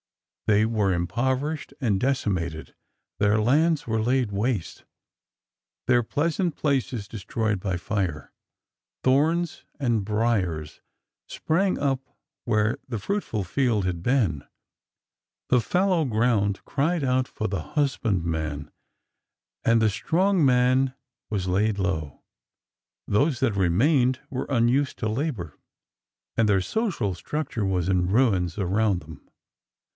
They were impoverished and decimated; their lands were laid waste; their pleasant places destroyed by fire ; thorns and briers sprang up where the fruitful field had been ; the fallow ground cried out for the husbandman, and the strong man was laid low ; those that remained were unused to labor, and their 392 A DAY IN JUNE 393 social structure was in ruins around them.